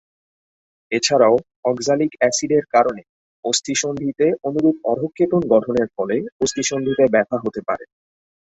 এছাড়াও অক্সালিক অ্যাসিডের কারণে অস্থি-সন্ধিতে অনুরূপ অধ:ক্ষেপণ গঠনের ফলে অস্থি-সন্ধিতে ব্যথা হতে পারে।